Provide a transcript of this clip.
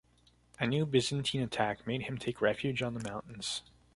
A new Byzantine attack made him take refuge on the mountains.